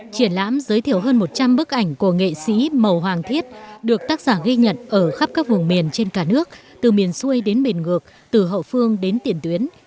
triển lãm giới thiệu hơn một trăm linh bức ảnh của nghệ sĩ màu hoàng thiết được tác giả ghi nhận ở khắp các vùng miền trên cả nước từ miền xuôi đến miền ngược từ hậu phương đến tiền tuyến